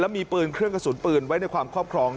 มีปืนเครื่องกระสุนปืนไว้ในความครอบครอง